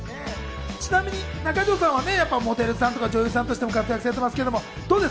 ちなみに中条さんはモデルさんとか女優さんとして活躍されていますけど、どうです？